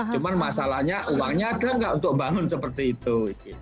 cuma masalahnya uangnya ada nggak untuk bangun seperti itu